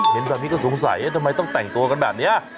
เห็นแบบนี้ก็สงสัยทำไมต้องแต่งตัวกันแบบนี้